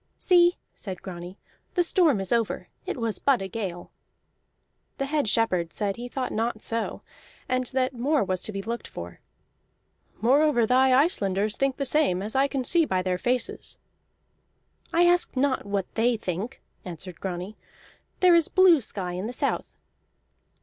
"See," said Grani, "the storm is over; it was but a gale." The head shepherd said he thought not so, and that more was to be looked for. "Moreover, thy Icelanders think the same, as I can see by their faces." "I ask not what they think," answered Grani. "There is blue sky in the south."